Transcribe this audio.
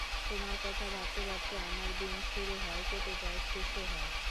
তোমার কথা ভাবতে ভাবতে আমার দিন শুরু হয়, কেটে যায়, শেষও হয়।